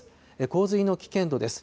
洪水の危険度です。